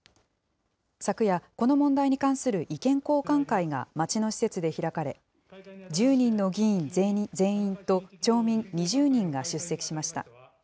昨夜、この問題に関する意見交換会が町の施設で開かれ、１０人の議員全員と町民２０人が出席しました。